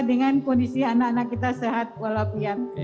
dengan kondisi anak anak kita sehat walaupun